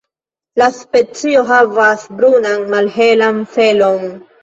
La specio havas brunan malhelan felon.